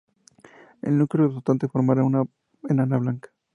El núcleo resultante formará una enana blanca.